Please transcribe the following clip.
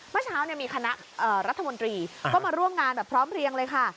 เมื่อเช้ามีคณะรัฐมนตรีก็มาร่วมงานแบบพร้อมเพลียงเลยค่ะ